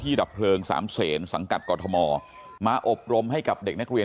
ดับเพลิงสามเศษสังกัดกรทมมาอบรมให้กับเด็กนักเรียน